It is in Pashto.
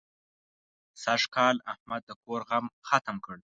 سږکال احمد د کور غم ختم کړ.